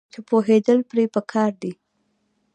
چې پوهیدل پرې پکار دي.